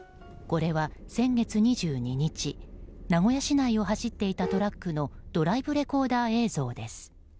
これは、先月２２日名古屋市内を走っていたトラックのドライブレコーダー映像です。